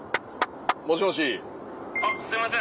もしもし。